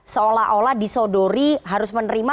seolah olah disodori harus menerima